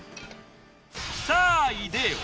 さあ出でよ！